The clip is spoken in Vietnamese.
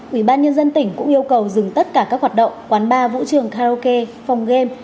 ubnd tỉnh cũng yêu cầu dừng tất cả các hoạt động quán bar vũ trường karaoke phòng game